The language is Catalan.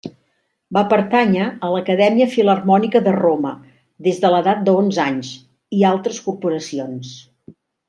Va pertànyer a l'Acadèmia Filharmònica de Roma, des de l'edat d'onze anys, i altres corporacions.